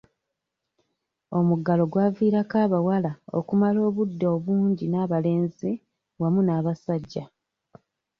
Omuggalo gwavirako abawala okumala obudde obungi n'abalenzi wamu n'abasajja.